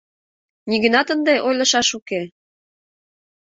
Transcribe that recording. — Нигӧнат ынде ойлышаш уке?